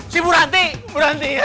si bu ranti